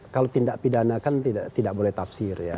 kalau tindak pidana kan tidak boleh tafsir ya